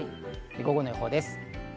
午後の予報です。